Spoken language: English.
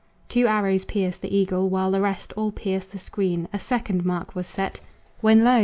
Two arrows pierce the eagle, while the rest All pierce the screen. A second mark was set, When lo!